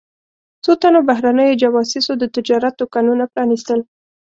څو تنو بهرنیو جواسیسو د تجارت دوکانونه پرانیستل.